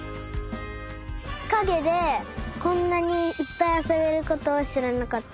かげでこんなにいっぱいあそべることをしらなかった。